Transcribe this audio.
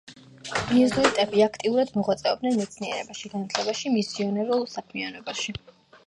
იეზუიტები აქტიურად მოღვაწეობდნენ მეცნიერებაში, განათლებაში და მისიონერულ საქმიანობაში.